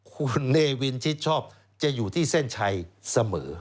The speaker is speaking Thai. คุณเนวินชิดชอบจะอยู่ที่เส้นชัยเสมอ